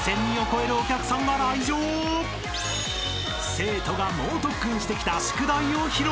［生徒が猛特訓してきた宿題を披露！